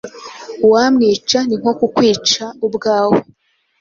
Uwamwica ni nko kukwica ubwawe!"